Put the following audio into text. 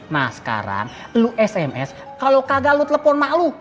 nah sekarang lu sms kalo kagak lu telepon ma lu